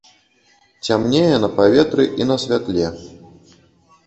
Цямнее на паветры і на святле.